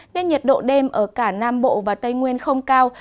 nên nhiệt độ đêm ở cả nam bộ và tây nguyên không cao